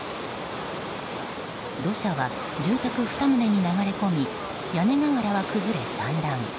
土砂は住宅２棟に流れ込み屋根瓦は崩れ、散乱。